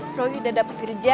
bro udah dapet kerja